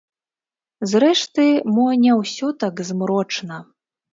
Зрэшты, мо не ўсё так змрочна.